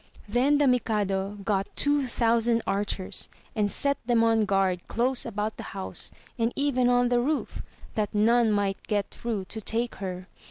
Then the Mikado got two thousand archers and set them on guard close about the house and even on the roof, that none might get through to take her.